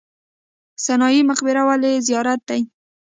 سنايي مقبره ولې زیارت دی؟